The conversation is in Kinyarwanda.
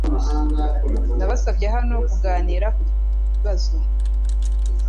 Nabasabye hano kuganira kubibazo